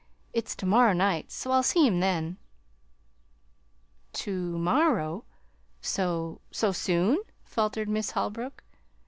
It's to morrow night, so I'll see him then." "To morrow? So so soon?" faltered Miss Holbrook.